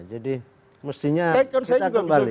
jadi mestinya kita kembali